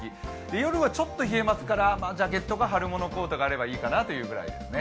夜はちょっと冷えますからジャケットか春物コートがあるといい感じですね。